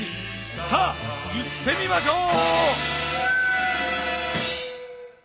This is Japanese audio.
さぁ行ってみましょう！